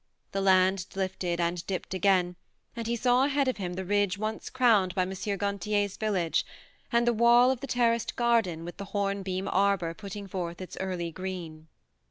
The land lifted and dipped again, and he saw ahead of him the ridge once crowned by M. Gantier's village, and the wall of the terraced garden, with the horn beam arbour putting forth its early green.